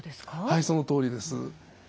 はいそのとおりです。